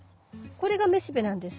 これがめしべなんです。